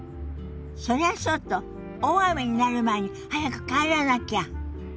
それはそうと大雨になる前に早く帰らなきゃ。